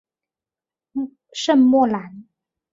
圣莫兰。